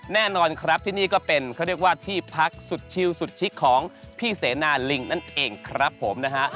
แน่นอนครับที่นี่ก็เป็นเขาเรียกว่าที่พักสุดชิลสุดชิคของพี่เสนาลิงนั่นเองครับผมนะฮะ